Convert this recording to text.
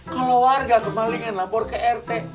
kalau warga kemalingin lapor ke rt